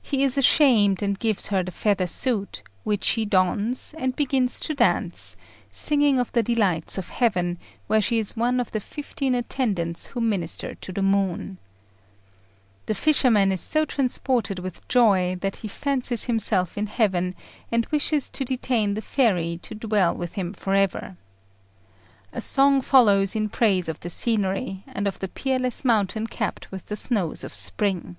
He is ashamed, and gives her the feather suit, which she dons, and begins to dance, singing of the delights of heaven, where she is one of the fifteen attendants who minister to the moon. The fisherman is so transported with joy, that he fancies himself in heaven, and wishes to detain the fairy to dwell with him for ever. A song follows in praise of the scenery and of the Peerless Mountain capped with the snows of spring.